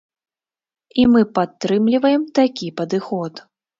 І мы падтрымліваем такі падыход.